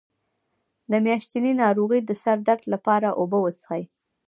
د میاشتنۍ ناروغۍ د سر درد لپاره اوبه وڅښئ